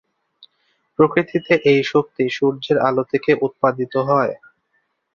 প্রকৃতিতে এই শক্তি সূর্যের আলো থেকে উৎপাদিত হয়।